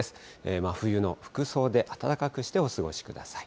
真冬の服装で、暖かくしてお過ごしください。